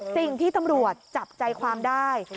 สิ่งที่ตำรวจจับใจความได้